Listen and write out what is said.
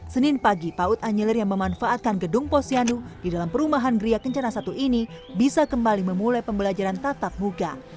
senin pagi paut anyelir yang memanfaatkan gedung posyandu di dalam perumahan gria kencana satu ini bisa kembali memulai pembelajaran tatap muka